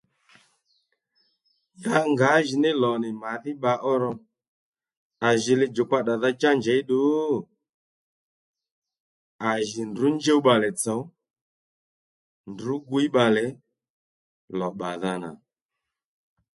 Ya ngǎjìní lò nì màdhí bba ó ro à jǐ li djùkpa ddàdha-djá njěy ddu? À jì ndrǔ njúw bbalè tsò ndrǔ gwíy bbalè lò bbàdha nà